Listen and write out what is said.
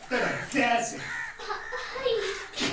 出せ！ははい。